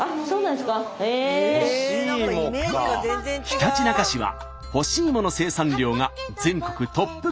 ひたちなか市は干しいもの生産量が全国トップクラス。